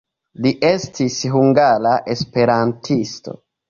Li estis hungara esperantisto.